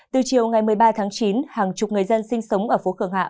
từ chiều ngày một mươi ba tháng chín hàng chục người dân sinh sống ở phố khương hạ